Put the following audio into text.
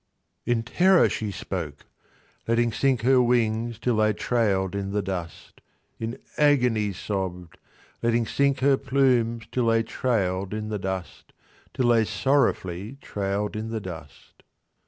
In terror she spoke; letting sink her Wings till they trailed in the dust— In agony sobbed, letting sink her Plumes till they trailed in the dust— Till they sorrowfully trailed in the dust.